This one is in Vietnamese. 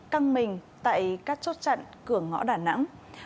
căng mình tại các chốt chặn cửa ngõ đà nẵng